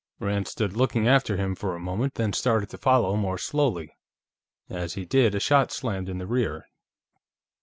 Rand stood looking after him for a moment, then started to follow more slowly; as he did, a shot slammed in the rear.